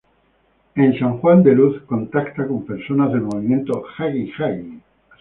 En San Juan de Luz contacta con personas del movimiento Jagi-Jagi.